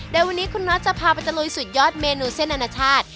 โดยวันนี้คุณน็อตจะพาไปตะลุยสุดยอดเมนูเส้นอนาชาติ